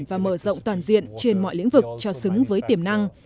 và mở rộng toàn diện trên mọi lĩnh vực cho xứng với tiềm năng